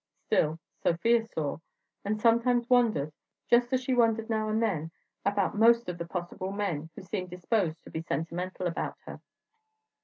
Still, Sofia saw, and sometimes wondered, just as she wondered now and then about most of the possible men who seemed disposed to be sentimental about her.